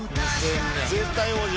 絶対王者。